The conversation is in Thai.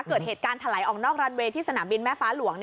เกิดเหตุการณ์ถลายออกนอกรันเวย์ที่สนามบินแม่ฟ้าหลวง